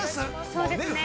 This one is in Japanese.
◆そうですね。